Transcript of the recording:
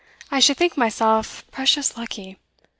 'I should think myself precious lucky.